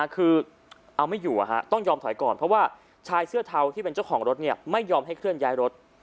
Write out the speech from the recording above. คือเอาไม่อยู่ต้องยอมถอยก่อนเพราะว่าชายเสื้อเทาที่เป็นเจ้าของรถไม่ยอมให้เคลื่อนย้ายรถ